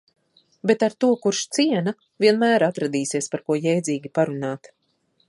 Bet ar to, kurš ciena, vienmēr atradīsies par ko jēdzīgi parunāt.